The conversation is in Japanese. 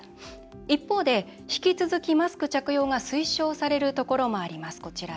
一方で、引き続きマスクの着用が推奨されるところもあります。